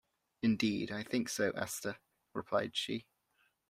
"Indeed, I think so, Esther," replied she.